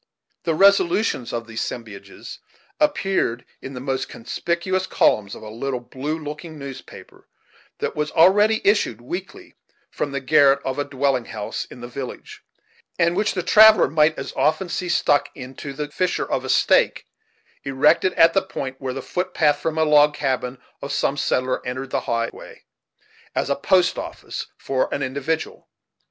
The resolutions of these as sembiages appeared in the most conspicuous columns of a little blue looking newspaper, that was already issued weekly from the garret of a dwelling house in the village, and which the traveller might as often see stuck into the fissure of a stake, erected at the point where the footpath from the log cabin of some settler entered the highway, as a post office for an individual.